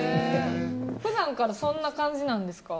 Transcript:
普段からそんな感じなんですか。